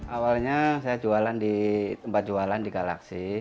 awalnya saya jualan di tempat jualan di galaksi